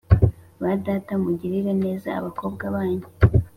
ba data, mugirire neza abakobwa banyu.